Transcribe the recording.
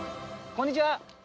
こんにちは。